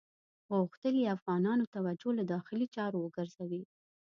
غوښتل یې افغانانو توجه له داخلي چارو وګرځوي.